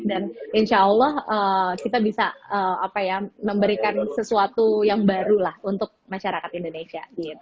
dan insya allah kita bisa memberikan sesuatu yang baru lah untuk masyarakat indonesia